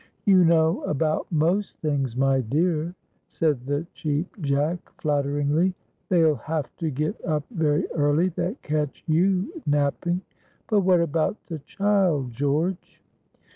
"You know about most things, my dear," said the Cheap Jack, flatteringly. "They'll have to get up very early that catch you napping. But what about the child, George?"